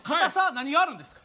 何があるんですか？